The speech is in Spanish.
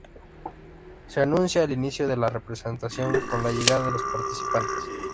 Se anuncia el inicio de la representación con la llegada de los participantes.